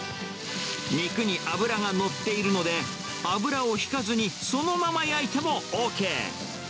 肉に脂が乗っているので、油をひかずに、そのまま焼いてもＯＫ。